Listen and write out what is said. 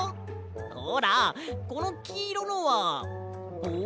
ほらこのきいろのはぼう？